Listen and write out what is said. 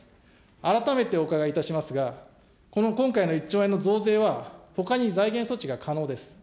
改めてお伺いいたしますが、この今回の１兆円の増税はほかに財源措置が可能です。